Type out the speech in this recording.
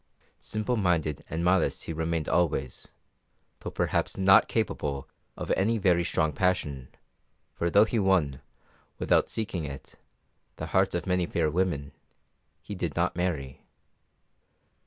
Simple minded and modest he remained always; though perhaps not capable of any very strong passion, for though he won, without seeking it, the hearts of many fair women, he did not marry.